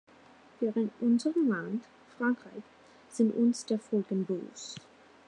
Wir in unserem Land, Frankreich, sind uns der Folgen bewusst.